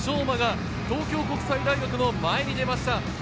馬が東京国際大学の前に出ました！